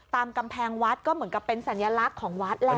ตามกำแพงวัดก็เหมือนกับเป็นสัญลักษณ์ของวัดแหละ